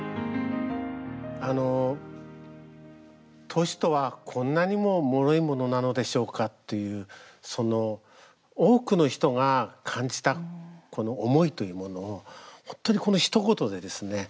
都市とは、こんなにももろいものなのでしょうかという、その多くの人が感じたこの思いというものを本当に、このひと言でですね